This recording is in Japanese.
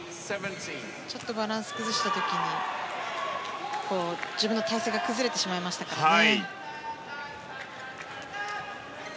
ちょっとバランスを崩した時に自分の体勢が崩れてしまいましたからね。